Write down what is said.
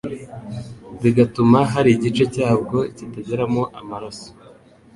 bigatuma hari igice cyabwo kitageramo amaraso